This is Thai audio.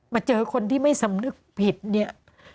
เจอคนที่ไม่สำนึกผิดเนี่ย